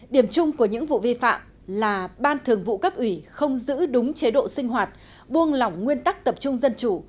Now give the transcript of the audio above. điểm chung của những vụ vi phạm là ban thường vụ cấp ủy không giữ đúng chế độ sinh hoạt buông lỏng nguyên tắc tập trung dân chủ